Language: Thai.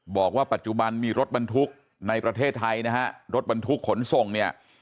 บอกว่าปัจจุบันมีรถบรรทุกในประเทศไทยนะฮะรถบรรทุกขนส่งเนี่ย